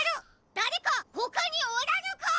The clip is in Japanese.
だれかほかにおらぬか！？